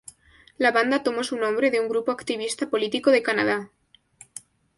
La banda tomó su nombre de un grupo activista político de Canadá.